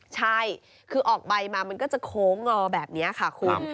ใช่คือออกใบมามันก็จะโค้งงอแบบนี้ค่ะคุณ